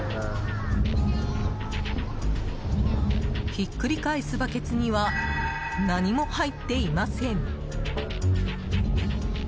ひっくり返すバケツには何も入っていません。